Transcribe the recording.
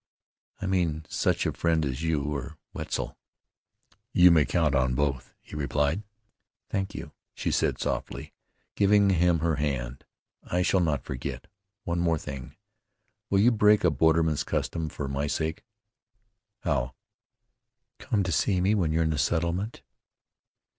"I mean such a friend as you or Wetzel." "You may count on both," he replied. "Thank you," she said softly, giving him her hand. "I shall not forget. One more thing. Will you break a borderman's custom, for my sake?" "How?" "Come to see me when you are in the settlement?"